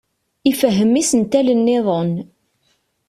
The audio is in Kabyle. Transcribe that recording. Ifehhem isental-nniḍen.